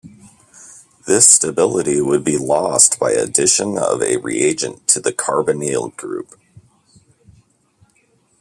This stability would be lost by addition of a reagent to the carbonyl group.